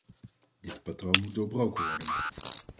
Dit patroon moet doorbroken worden.